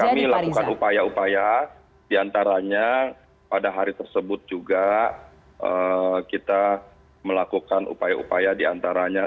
jadi kami melakukan upaya upaya diantaranya pada hari tersebut juga kita melakukan upaya upaya diantaranya